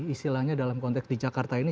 istilahnya dalam konteks di jakarta ini